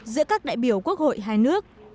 giữa các đại biểu quốc hội hai nước